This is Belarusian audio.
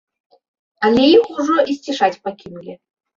Але іх ужо і сцішаць пакінулі.